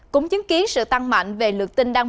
cũng chứng kiến sự tăng mạnh về lượt tin đăng